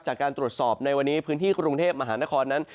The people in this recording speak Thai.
จากการตรวจสอบในวันนี้พื้นที่กรุงเทพมหานครนั้น